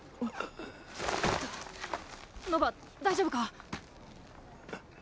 ノヴァ大丈夫か？